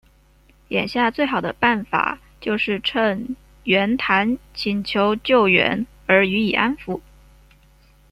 眼下最好的办法就是趁袁谭请求救援而予以安抚。